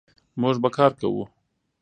موږ به کار کوو.